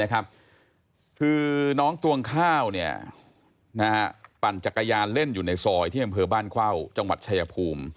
คือน้องตวงข้าวปั่นจักรยานเล่นอยู่ในซอยที่อำเภอบ้านเข้าจังหวัดชายภูมิ